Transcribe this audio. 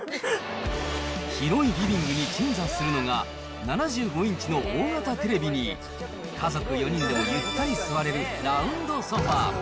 広いリビングに鎮座するのが、７５インチの大型テレビに、家族４人でもゆったり座れるラウンドソファー。